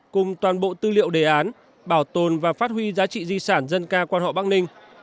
cùng toàn bộ tư liệu đề án bảo tồn và phát huy giá trị di sản dân ca quan họ bắc ninh